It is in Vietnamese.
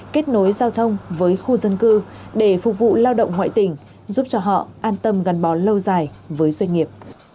kết nối giao thông với khu dân cư để phục vụ lao động ngoại tỉnh giúp cho họ an tâm gắn bó lâu dài với doanh nghiệp